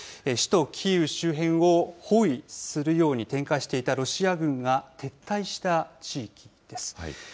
首都キーウ周辺を包囲するように展開していたロシア軍が撤退した地域です。